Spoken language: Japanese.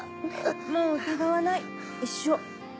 もう疑わない一生。